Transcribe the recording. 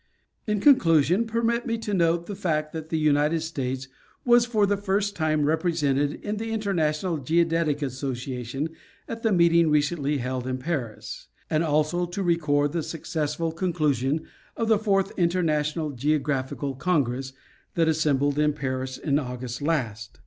In conclusion permit me to note the fact that the United States was for the first time represented in the International Geodetic Association, at the meeting recently held in Paris; and also to record the successful conclusion of the fourth International Geographical Congress that assembled in Paris in August last.